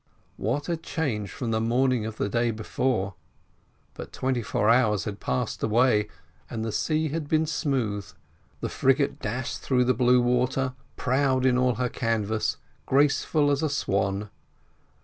What a change from the morning of the day before! but twenty four hours had passed away, and the sea had been smooth, the frigate dashed through the blue water, proud in all her canvas, graceful as a swan.